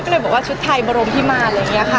ก็เลยบอกว่าชุดไทบรมพี่มาล